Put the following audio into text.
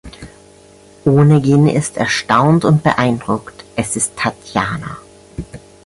Onegin ist erstaunt und beeindruckt: es ist Tatjana.